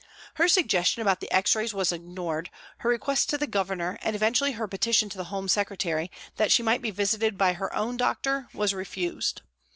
Her suggestion about the X rays was ignored, her request to the Governor, and eventually her petition to the Home Secretary, that she might be visited by her own doctor was refused.